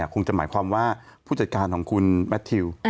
คงจะหมายความว่าผู้จัดการของคุณแมททิว